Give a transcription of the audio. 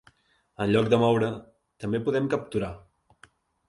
En lloc de moure, també podem capturar.